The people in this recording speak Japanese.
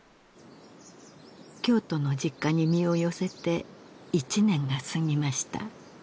京都の実家に身を寄せて１年が過ぎました